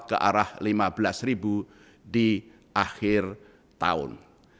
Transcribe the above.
cenderung menguat ke arah rp lima belas di akhir tahun